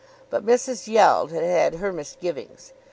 But Mrs. Yeld had had her misgivings.